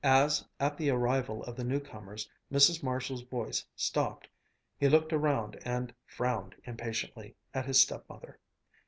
As, at the arrival of the new comers, Mrs. Marshall's voice stopped, he looked around and frowned impatiently at his stepmother.